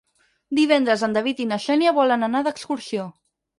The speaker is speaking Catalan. Divendres en David i na Xènia volen anar d'excursió.